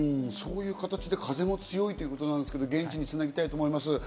そういう形で風も強いということですけど、現地につなぎたいと思います。